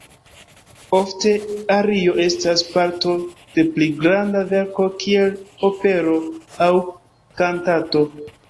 Ofte ario estas parto de pli granda verko kiel opero aŭ kantato.